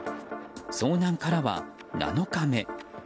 遭難からは７日目。